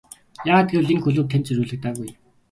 Яагаад гэвэл энэ клуб танд зориулагдаагүй.